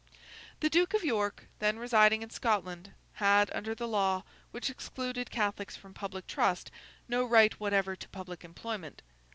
The Duke of York, then residing in Scotland, had, under the law which excluded Catholics from public trust, no right whatever to public employment.